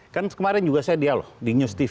kan kemarin juga saya dialog di news tv